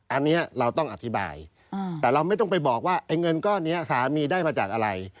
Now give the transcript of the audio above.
อันนี้เราต้องอธิบายแต่เราไม่ต้องไปบอกว่าไอ้เงินก้อนนี้สามีได้มาจากอะไร